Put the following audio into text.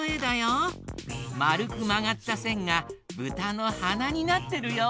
まるくまがったせんがブタのはなになってるよ。